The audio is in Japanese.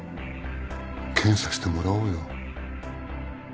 検査してもらおうよ。